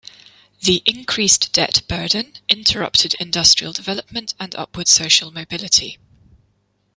The increased debt burden interrupted industrial development and upward social mobility.